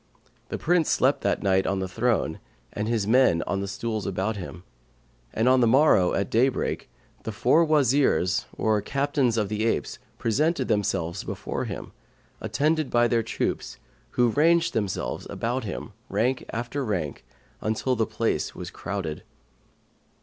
The Prince slept that night on the throne and his men on the stools about him, and on the morrow, at daybreak, the four Wazirs or Captains of the apes presented themselves before him, attended by their troops, who ranged themselves about him, rank after rank, until the place was crowded.